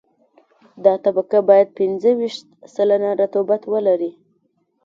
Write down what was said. دا طبقه باید پنځه ویشت سلنه رطوبت ولري